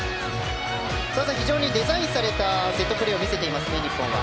澤さん、非常にデザインされたセットプレーを見せていますね日本は。